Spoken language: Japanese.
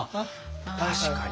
確かに。